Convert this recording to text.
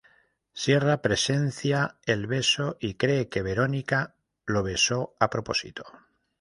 Sierra presencia el beso y cree que Veronica lo besó a propósito.